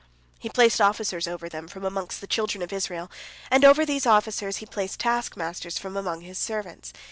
He placed officers over them from amongst the children of Israel, and over these officers he placed taskmasters from amongst his servants.